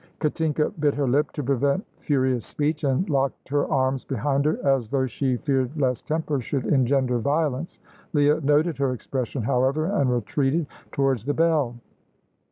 Katinka bit her lip to prevent furious speech, and locked her arms behind her as though she feared lest temper should engender violence. Leah noted her expression, however, and retreated towards the bell.